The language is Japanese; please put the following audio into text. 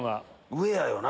上やよな。